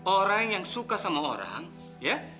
orang yang suka sama orang ya